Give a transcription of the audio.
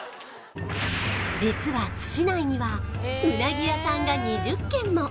実は津市内にはうなぎ屋さんが２０軒も！